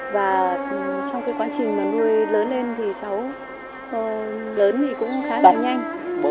và trong cái quá trình mà nuôi lớn lên thì cháu lớn thì cũng khá là nhanh